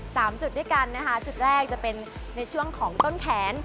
จุดด้วยกันนะคะจุดแรกจะเป็นในช่วงของต้นแขน